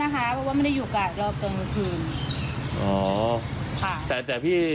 พี่ก็ไม่รู้อ่ะพี่เพิ่งอยู่ใหม่นะพี่